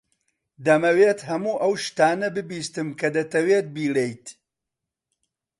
دەمەوێت هەموو ئەو شتانە ببیستم کە دەتەوێت بیڵێیت.